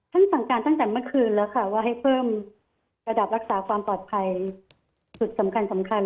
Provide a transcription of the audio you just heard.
สั่งการตั้งแต่เมื่อคืนแล้วค่ะว่าให้เพิ่มระดับรักษาความปลอดภัยจุดสำคัญสำคัญ